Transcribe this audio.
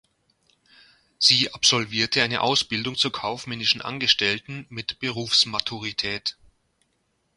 Sie absolvierte eine Ausbildung zur Kaufmännischen Angestellten mit Berufsmaturität.